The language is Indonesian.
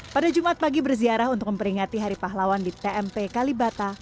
pada jumat pagi berziarah untuk memperingati hari pahlawan di tmp kalibata